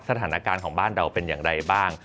สถานการณ์ของบ้านเราเป็นอย่างไรบ้าง